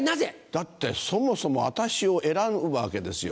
だってそもそも私を選ぶわけですよ